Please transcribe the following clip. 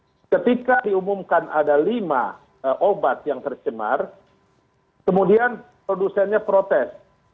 nah ketika diumumkan ada lima obat yang tercemar kemudian produsennya protes